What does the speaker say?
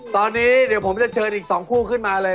ตอนนี้เดี๋ยวผมจะเชิญอีก๒คู่ขึ้นมาเลย